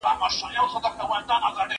څېړونکی باید له ماضي سره نږدې اړیکه ولري.